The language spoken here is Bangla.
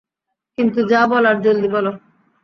কিন্তু যা বলার জলদি বলো!